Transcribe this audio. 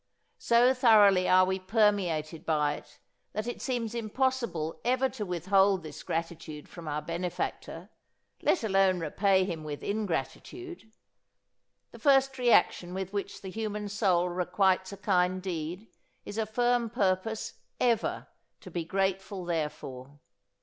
So thoroughly are we permeated by it that it seems impossible ever to withhold this gratitude from our benefactor, let alone repay him with ingratitude. The first reaction with which the human soul requites a kind deed is a firm purpose "ever" to be grateful therefor.